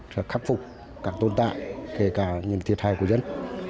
sẽ khắc phục các tồn tại kể cả những thiệt hại của dân